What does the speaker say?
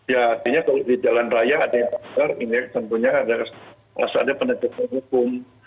ya artinya kalau di jalan raya ada yang langgar nih tentunya ada penegak penegak hukum